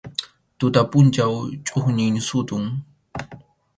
Tuta pʼunchaw chʼuqñin sutʼun.